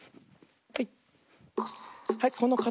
はい。